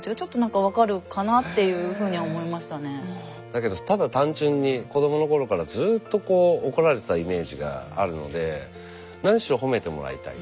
だけどただ単純に子どもの頃からずっと怒られてたイメージがあるので何しろ褒めてもらいたい。